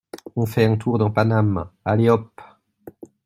On fait un tour dans Paname, allez hop !